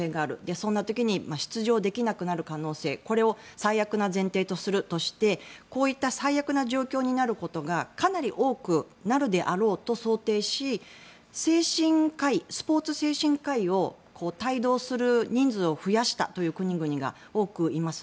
そんな時に出場できなくなる可能性を最悪の状態になるとしてこういった最悪な状況になることがかなり多くなるであろうと想定しスポーツ精神科医を帯同する人数を増やした国々が多くいます。